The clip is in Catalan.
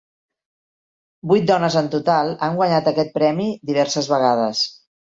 Vuit dones en total han guanyat aquest premi diverses vegades.